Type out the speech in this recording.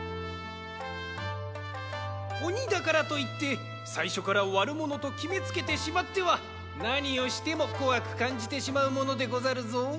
おにだからといってさいしょからわるものときめつけてしまってはなにをしてもこわくかんじてしまうものでござるぞ。